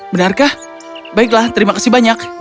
benarkah baiklah terima kasih banyak